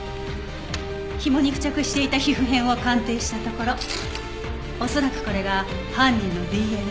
紐に付着していた皮膚片を鑑定したところ恐らくこれが犯人のＤＮＡ。